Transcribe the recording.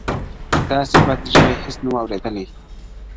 داسي بد ږغ یې هیڅ نه وو اورېدلی -